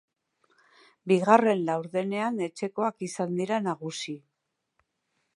Bigarren laurdenean etxekoak izan dira nagusi.